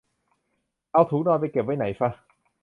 เอาถุงนอนไปเก็บไว้ไหนฟะ